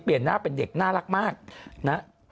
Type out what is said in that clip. หน้าเป็นเด็กน่ารักมากนะ